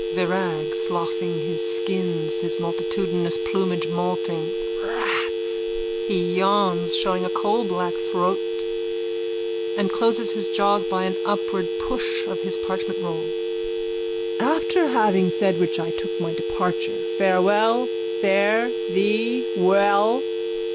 VIRAG: (Sloughing his skins, his multitudinous plumage moulting.) Rats! (He yawns, showing a coalblack throat, and closes his jaws by an upward push of his parchmentroll.) After having said which I took my departure. Farewell. Fare thee well.